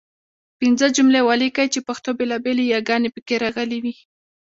پنځه جملې ولیکئ چې پښتو بېلابېلې یګانې پکې راغلي وي.